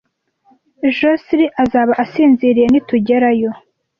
Josehl azaba asinziriye nitugerayo.